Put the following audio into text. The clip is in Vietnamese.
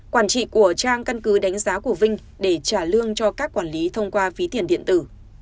quản trị của trang căn cứ đánh giá của vinh để trả lương cho các quản lý thông qua phí tiền điện tử